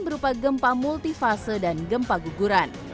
berupa gempa multifase dan gempa guguran